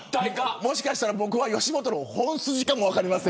もしかしたら僕は吉本の本筋かも分かりません。